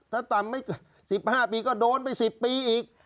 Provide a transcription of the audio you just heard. ถ้าต่ำไม่เกิน๑๕ปีก็โดนไป๑๐ปีอีก